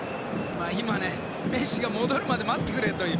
メッシが戻るまで待ってくれという。